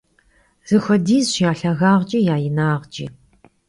Zexuedizş ya lhagağç'i ya yinağç'i.